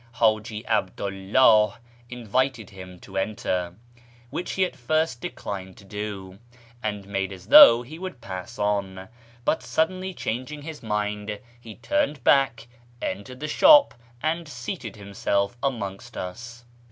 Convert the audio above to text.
Haji 'Abdu 'llah invited him to enter, which he at first declined to do, and made as though he would pass on ; but suddenly changing his mind he turned back, entered the shop, and seated himself amongst us.